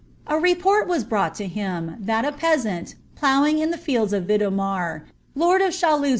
A report ww brouebt to him, tliat a peasaat, ploughing in the fielda of Vidomw, lonl of Cluiluz in